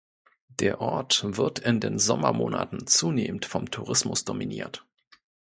Der Ort wird in den Sommermonaten zunehmend vom Tourismus dominiert.